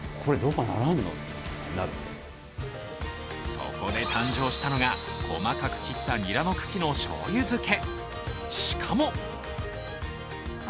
そこで誕生したのが細かく切ったニラの茎のしょうゆ漬け。